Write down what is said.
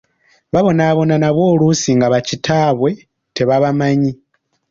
Babonaabona nabwo oluusi nga ba kitaabwe tebabamanyi.